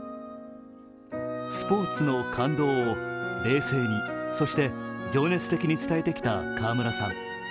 スポーツの感動を冷静に、そして情熱的に伝えてきた河村さん。